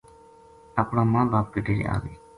اپنا ماں باپ کے ڈیرے آ گئی